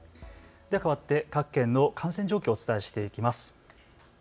かわって各県の感染状況をお伝えしていきます。